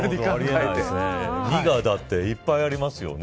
２がいっぱいありますよね。